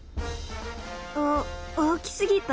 お大きすぎた？